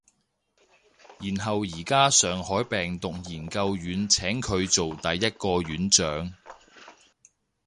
然後而家上海病毒研究院請佢做第一個院長